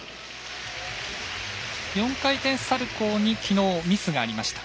４回転サルコーに昨日、ミスがありました。